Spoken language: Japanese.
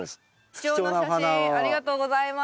貴重な写真ありがとうございます。